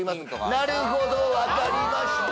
「なるほど分かりました」